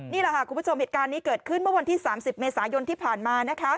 นี่แหละค่ะคุณผู้ชมเหตุการณ์นี้เกิดขึ้นเมื่อวันที่๓๐เมษายนที่ผ่านมา